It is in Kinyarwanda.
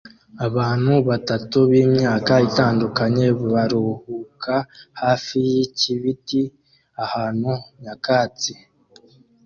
Abantu batatu b'imyaka itandukanye baruhuka hafi yikibiti ahantu nyakatsi